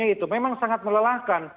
itu memang sangat melelahkan